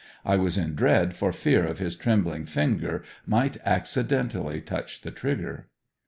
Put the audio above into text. I was in dread for fear his trembling finger might accidently touch the trigger.